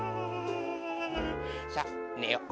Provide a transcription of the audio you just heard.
さあねよう。